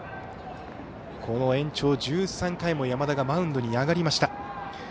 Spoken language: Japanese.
延長１３回も山田がマウンドに上がりました。